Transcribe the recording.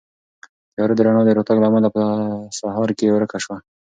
تیاره د رڼا د راتګ له امله په سهار کې ورکه شوه.